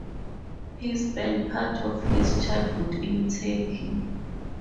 He spent part of his childhood in Turkey.